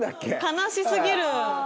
悲しすぎる。